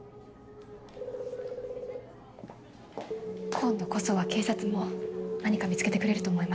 今度こそは警察も何か見つけてくれると思います。